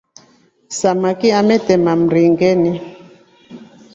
Samaki atema mringeni.